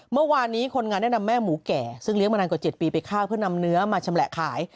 เมื่อวานนี้คนงานได้นำแม่หมูแก่ซึ่งเลี้ยงมานานกว่า๗ปีไปข้าวเพื่อนำเนื้อมาชำแหละขาย